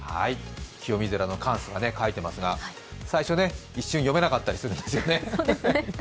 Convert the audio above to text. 清水寺の貫主が書いていますが最初読めなかったりするんですよね。